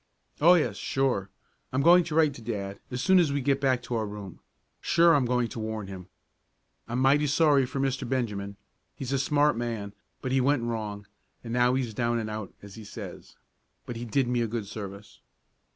"Oh, yes, sure. I'm going to write to dad as soon as we get back to our room. Sure I'm going to warn him. I'm mighty sorry for Mr. Benjamin. He's a smart man, but he went wrong, and now he's down and out, as he says. But he did me a good service."